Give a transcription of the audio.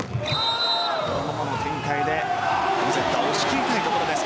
このままの展開でこのセットは押し切りたいところです。